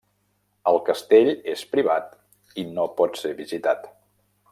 El castell és privat i no pot ser visitat.